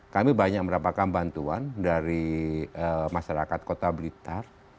kami banyak mendapatkan bantuan dari masyarakat kota blitar